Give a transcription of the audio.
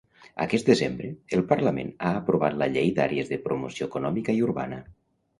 Aquest desembre, el Parlament ha aprovat la llei d'àrees de promoció econòmica i urbana.